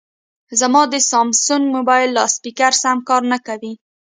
زما د سامسنګ مبایل لاسپیکر سم کار نه کوي